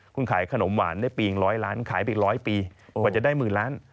คุณขายขนมหวานได้ปี๑๐๐ล้านขายไป๑๐๐ปีกว่าจะได้หมื่นล้าน